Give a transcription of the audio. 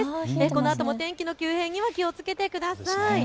このあとも天気の急変には気をつけてください。